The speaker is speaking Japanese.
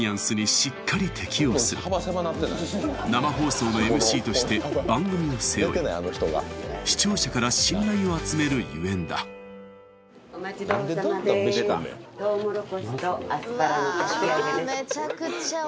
生放送のＭＣとして番組を背負い視聴者から信頼を集めるゆえんだうわ